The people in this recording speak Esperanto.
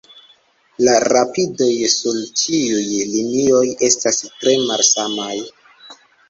La rapidoj sur tiuj linioj estas tre malsamaj.